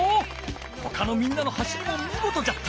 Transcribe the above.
ほかのみんなの走りもみごとじゃった！